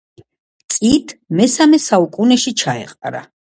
წ–ით მესამე საუკუნეში ჩაეყარა.